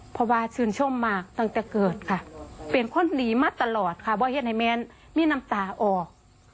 เป็นคนหนีมาตลอดค่ะก็จะให้หน้าน้ำตาออก